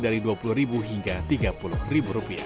dari dua puluh hingga tiga puluh rupiah